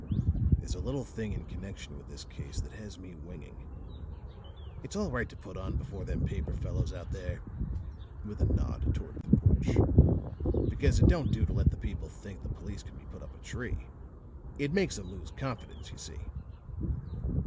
"There's a little thing in connection with this case that has me winging. It's all right to put on before them paper fellows out there," with a nod toward the porch, "because it don't do to let the public think the police can be put up a tree. It makes 'em lose confidence, you see."